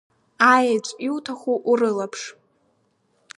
Аеҵә иуҭаху урылаԥш!